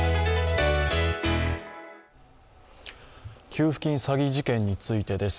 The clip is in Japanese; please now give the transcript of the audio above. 給付金詐欺事件についてです。